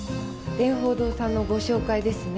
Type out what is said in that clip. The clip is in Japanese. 電報堂さんのご紹介ですね。